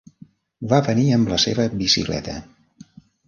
Va venir amb la seva bicicleta.